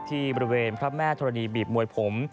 ที่บริเวณพระแม่ธรณีบีบมวยผม